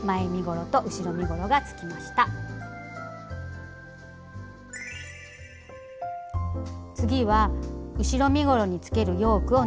次は後ろ身ごろにつけるヨークを縫います。